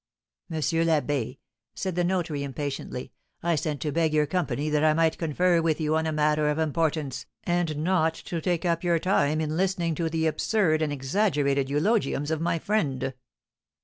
"M. l'Abbé," said the notary, impatiently, "I sent to beg your company that I might confer with you on a matter of importance, and not to take up your time in listening to the absurd and exaggerated eulogiums of my friend!"